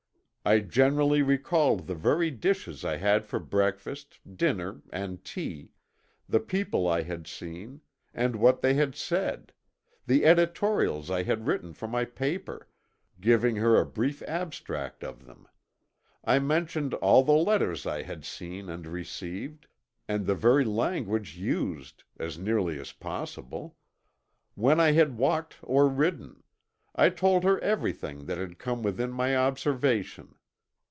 I generally recalled the very dishes I had for breakfast, dinner and tea; the people I had seen, and what they had said; the editorials I had written for my paper, giving her a brief abstract of them; I mentioned all the letters I had seen and received, and the very language used, as nearly as possible; when I had walked or ridden I told her everything that had come within my observation.